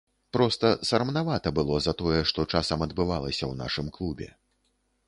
Проста сарамнавата было за тое, што часам адбывалася ў нашым клубе.